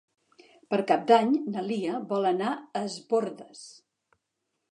Per Cap d'Any na Lia vol anar a Es Bòrdes.